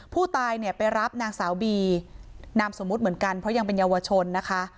ผู้ตายเนี่ยไปรับนางสาวบีนามสมมุติเหมือนกันเพราะยังเป็นเยาวชนนะคะ